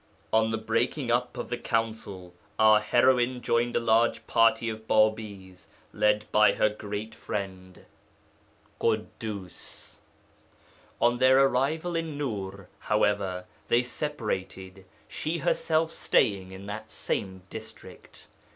On the breaking up of the Council our heroine joined a large party of Bābīs led by her great friend Ḳuddus. On their arrival in Nūr, however, they separated, she herself staying in that district.